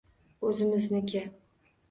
Oʻzimizniki